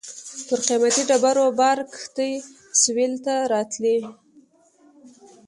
پر قیمتي ډبرو بار کښتۍ سېویل ته راتلې.